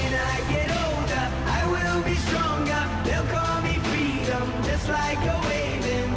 ท่านแรกครับจันทรุ่ม